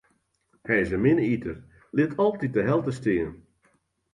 Hy is in minne iter, lit altyd de helte stean.